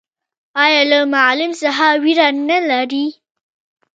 ایا له معلم څخه ویره نلري؟